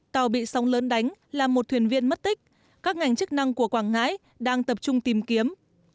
tàu bị sóng lớn đánh là một thuyền viên mất tích các ngành chức năng của quảng ngãi đang tập trung tìm kiếm